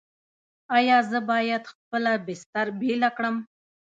ایا زه باید خپله بستر بیله کړم؟